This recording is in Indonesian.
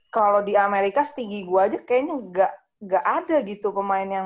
kalau di amerika setinggi gue aja kayaknya gak ada gitu pemain yang